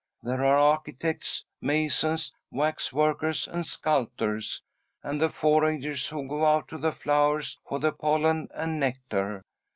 There are architects, masons, waxworkers, and sculptors, and the foragers, who go out to the flowers for the pollen and nectar.